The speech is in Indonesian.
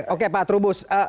oke pak trubus